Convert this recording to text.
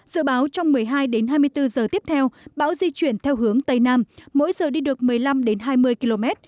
dự báo trong một mươi hai đến hai mươi bốn giờ tiếp theo bão di chuyển theo hướng tây nam mỗi giờ đi được một mươi năm hai mươi km